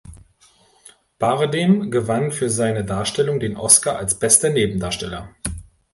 Bardem gewann für seine Darstellung den Oscar als Bester Nebendarsteller.